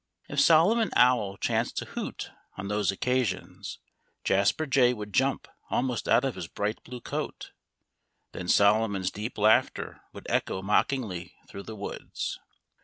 If Solomon Owl chanced to hoot on those occasions, Jasper Jay would jump almost out of his bright blue coat. Then Solomon's deep laughter would echo mockingly through the woods.